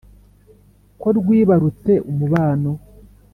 ko rwibarutse umubano